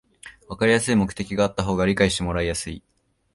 わかりやすい目的があった方が理解してもらいやすい